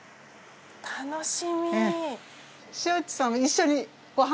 楽しみ。